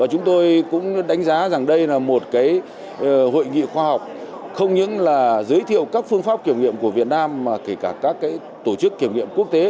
hội nghị khoa học không những là giới thiệu các phương pháp kiểm nghiệm của việt nam mà kể cả các tổ chức kiểm nghiệm quốc tế